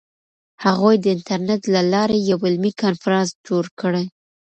هغوی د انټرنیټ له لارې یو علمي کنفرانس جوړ کړ.